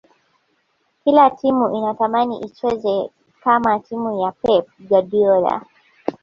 kila timu inatamani icheze kama timu ya pep guardiola